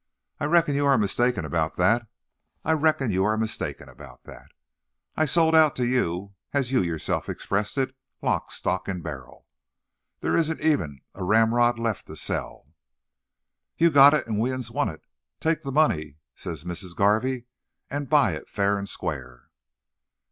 "I reckon you are mistaken about that. I reckon you are mistaken about that. I sold out to you, as you yourself expressed it, 'lock, stock and barrel.' There isn't even a ramrod left to sell." "You've got it; and we 'uns want it. 'Take the money,' says Missis Garvey, 'and buy it fa'r and squar'.